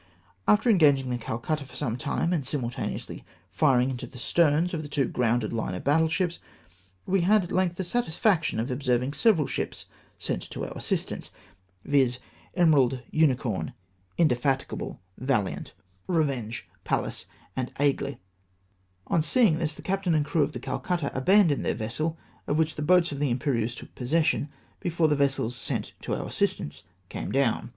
After engaging the Calcutta for some time, and simultaneously firing into the sterns of the two gromided line of battle ships, we had at length the satisfaction of observing several ships sent to our assist ance, viz. Emerald, Unicorn, Indefatigable^ Valiant, c c 2 388 THE CALCUTTA STRIKES. Revenge., Pallas^ and Aigle. On seeing this, tlie captain and crew of the Calcutta abandoned then vessel, of which the boats of the Imperieuse took possession be fore the vessels sent to onr " assistance " came down.